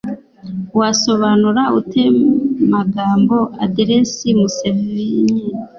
Wasobanura ute magambo aderesi Musenyeri